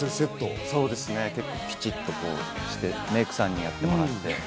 そうですね、ぴちっとして、メイクさんにやってもらって。